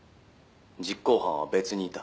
「実行犯は別にいた」